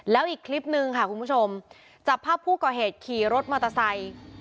แล้วอีกคลิปนึงค่ะคุณผู้ชมจับภาพผู้ก่อเหตุขี่รถมอเตอร์ไซค์